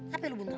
apa lo bunuh